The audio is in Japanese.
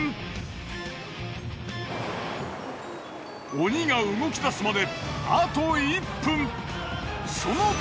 鬼が動き出すまであと１分！